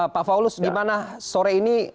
pak paulus di mana sore ini